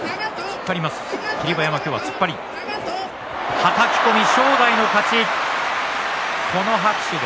はたき込み、正代の勝ち。